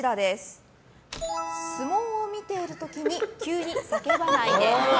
相撲を見てる時に急に叫ばないで。